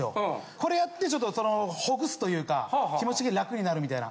これやってちょっとほぐすというか気持ちが楽になるみたいな。